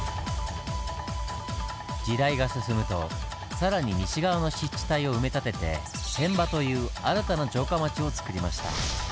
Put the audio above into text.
時代が進むと更に西側の湿地帯を埋め立てて「船場」という新たな城下町をつくりました。